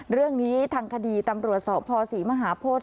เรื่องนี้ทางคดีตำรวจสพศรีมหาโพธิ